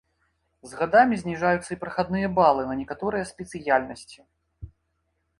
З гадамі зніжаюцца і прахадныя балы на некаторыя спецыяльнасці.